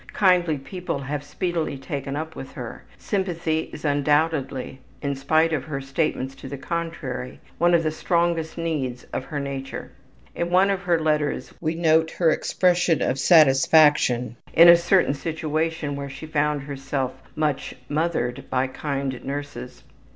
Kindly people have speedily taken up with her. Sympathy is undoubtedly, in spite of her statements to the contrary, one of the strongest needs of her nature. In one of her letters we note her expression of satisfaction in a certain situation where she found herself much ``mothered'' by kind nurses.